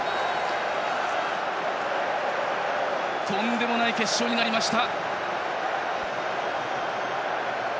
とんでもない決勝になりました。